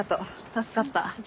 助かった。